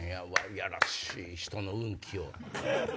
やらしい人の運気を。